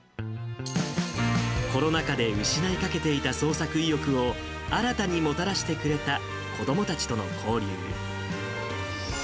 コロナ禍で失いかけていた創作意欲を、新たにもたらしてくれた子どもたちとの交流。